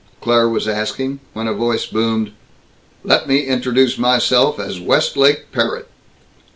Claire was asking, when a voice boomed, "Let me introduce myself as Westlake Parrott."